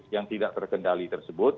yang tidak terkendali tersebut